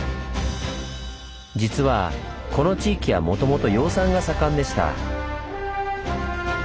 実はこの地域はもともと養蚕が盛んでした。